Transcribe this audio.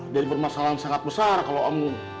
jadi permasalahan sangat besar kalau